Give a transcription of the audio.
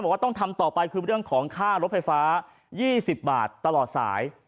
ต้องทำต่อไปคือเรื่องของค่ารถไฟฟ้า๒๐บาทตลอดสาย